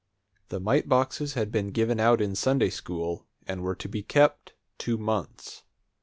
The mite boxes had been given out in Sunday school, and were to be kept two months.